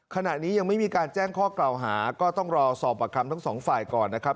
ขณะนี้ยังไม่มีการแจ้งข้อกล่าวหาก็ต้องรอสอบประคำทั้งสองฝ่ายก่อนนะครับ